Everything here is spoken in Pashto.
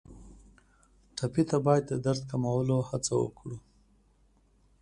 ټپي ته باید د درد کمولو هڅه وکړو.